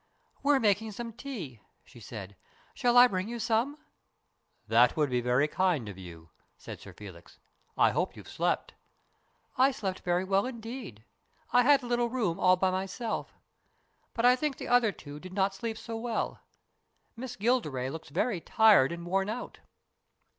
" We're making some tea," she said. " Shall I bring you some ?"" That would be very kind of you," said Sir Felix. " I hope you've slept." " I slept very well indeed. I had a little room all by myself. But I think the other two did not sleep so well. Miss Gilderay looks very tired and worn out."